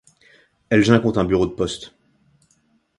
Elgin compte un bureau de poste.